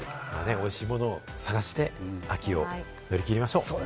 美味しいものを探して、秋を乗り切りましょう。